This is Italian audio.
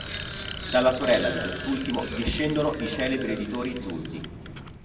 Dalla sorella di quest'ultimo discendono i celebri editori Giunti.